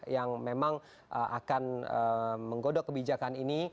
yang memang akan menggodok kebijakan ini